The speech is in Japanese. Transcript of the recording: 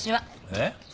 えっ？